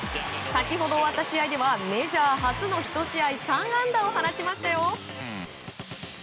先ほど終わった試合ではメジャー初の１試合３安打を放ちましたよ。